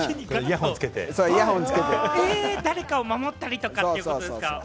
誰かを守ったりってことですか？